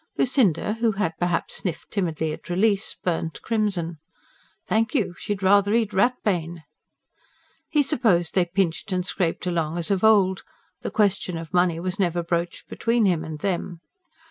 Lucinda, who had perhaps sniffed timidly at release, burnt crimson: thank you! she would rather eat rat bane. He supposed they pinched and scraped along as of old the question of money was never broached between him and them.